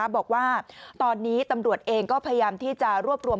บอกว่าตอนนี้ตำรวจเองก็พยายามที่จะรวบรวม